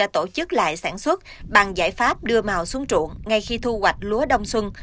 tổ chức lại sản xuất bằng giải pháp đưa màu xuống ruộng ngay khi thu hoạch lúa đông xuân